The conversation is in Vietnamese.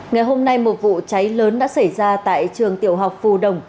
ngày hôm nay một vụ cháy lớn đã xảy ra tại trường tiểu học phù đồng